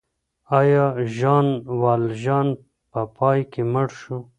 آیا ژان والژان په پای کې مړ شو؟